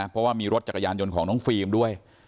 เพราะว่ามีรถจักรยานยนต์ของน้องฟิล์มด้วย